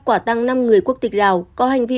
quả tăng năm người quốc tịch lào có hành vi